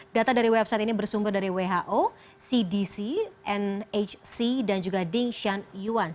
data dari website ini bersumber dari who cdc nhc dan juga dingsian yuan